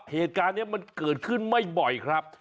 เหตุการณ์นี้มันเกิดขึ้นไม่บ่อยครับ